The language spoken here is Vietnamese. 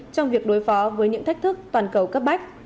trong việc đối phó với những thách thức toàn cầu cấp bách